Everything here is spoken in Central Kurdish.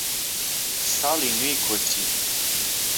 ساڵی نوێی کۆچی